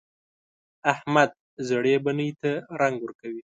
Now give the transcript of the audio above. احمد زړې بنۍ ته رنګ ورکوي.